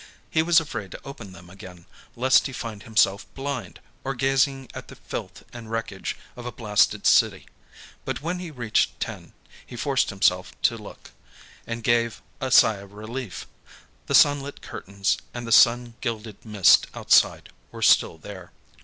He was afraid to open them again, lest he find himself blind, or gazing at the filth and wreckage of a blasted city, but when he reached ten, he forced himself to look, and gave a sigh of relief. The sunlit curtains and the sun gilded mist outside were still there.